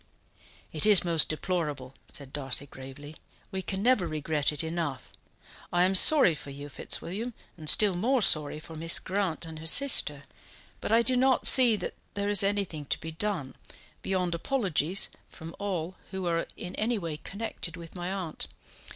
"It is most deplorable," said Darcy gravely. "We can never regret it enough. I am sorry for you, Fitzwilliam, and still more sorry for Mrs. Grant and her sister, but I do not see that there is anything to be done, beyond apologies from all who are in any way connected with my aunt.